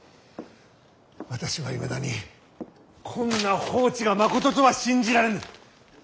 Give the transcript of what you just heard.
私はいまだにこんな報知がまこととは信じられぬ。